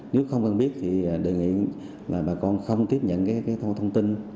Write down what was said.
nếu không còn biết thì đề nghị bà con không tiếp nhận thông tin